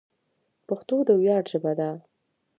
پښتو د ویاړ ژبه ده.